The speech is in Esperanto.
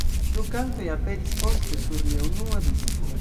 Du kantoj aperis poste sur lia unua disko.